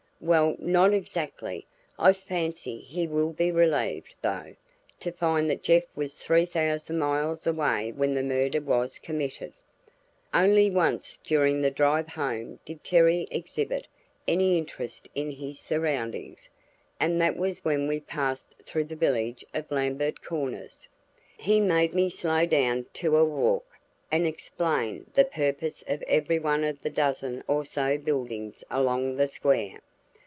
"Well, not exactly. I fancy he will be relieved, though, to find that Jeff was three thousand miles away when the murder was committed." Only once during the drive home did Terry exhibit any interest in his surroundings, and that was when we passed through the village of Lambert Corners. He made me slow down to a walk and explain the purpose of everyone of the dozen or so buildings along the square.